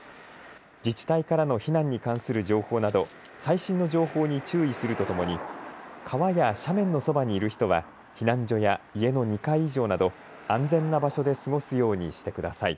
自治体からの避難に関する情報など最新の情報に注意するとともに川や斜面のそばにいる人は避難所や家の２階以上など安全な場所で過ごすようにしてください。